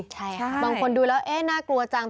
ใช่ค่ะบางคนดูแล้วเอ๊ะน่ากลัวจัง